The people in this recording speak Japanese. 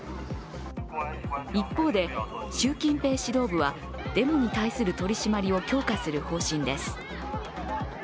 一方で、習近平指導部はデモに対する取り締まりを強化する方針です。